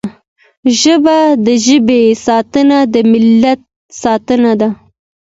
ژبه د ژبې ساتنه د ملت ساتنه ده